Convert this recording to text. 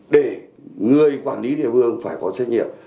để người quản lý địa phương phải có trách nhiệm